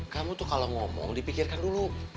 kamu tuh kalau ngomong dipikirkan dulu